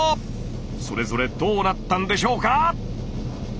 それぞれどうなったんでしょうか